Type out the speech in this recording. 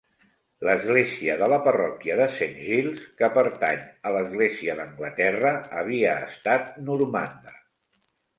L'església de la parròquia de Saint Giles, que pertany a l'Església d'Anglaterra, havia estat normanda.